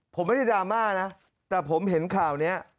ผมไม่ได้ดราม่านะแต่ผมเห็นข่าวนี้